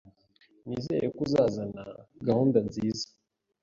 Nizere ko uzazana gahunda nziza